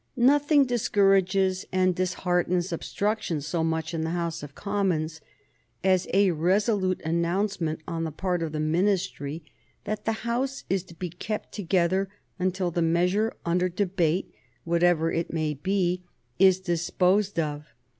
Nothing discourages and disheartens obstruction so much, in the House of Commons, as a resolute announcement on the part of the Ministry that the House is to be kept together until the measure under debate, whatever it may be, is disposed of.